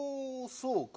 そうか。